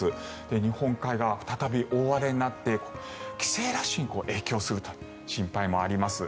日本海側、再び大荒れになって帰省ラッシュに影響するという心配もあります。